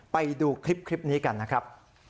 ไปดูคลิปนี้กันนะครับ